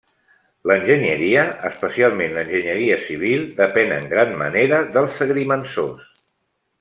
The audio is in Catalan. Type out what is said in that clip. L'enginyeria, especialment l'enginyeria civil, depèn en gran manera dels agrimensors.